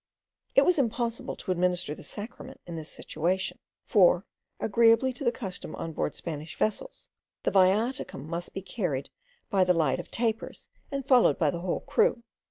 It was impossible to administer the sacrament in this situation; for, agreeably to the custom on board Spanish vessels, the viaticum must be carried by the light of tapers, and followed by the whole crew.